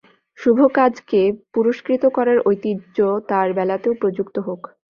শুভকাজকে পুরস্কৃত করার ঐতিহ্য তাঁর বেলাতেও প্রযুক্ত হোক।